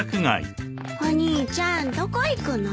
お兄ちゃんどこ行くの？